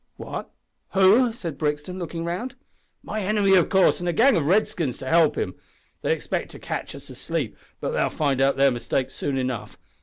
"What who?" said Brixton, looking round. "My enemy, of coorse, an' a gang of redskins to help him. They expect to catch us asleep, but they'll find out their mistake soon enough.